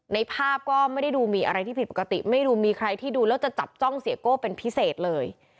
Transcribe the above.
ในภาพก็ไม่ได้ดูมีอะไรที่ผิดปกติไม่รู้มีใครที่ดูแล้วจะจับจ้องเสียโก้เป็นพิเศษเลย